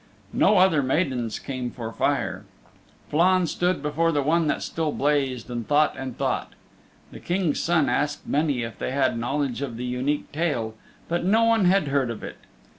No other maidens came for fire. Flann stood before the one that still blazed, and thought and thought. The King's Son asked many if they had knowledge of the Unique Tale, but no one had heard of it.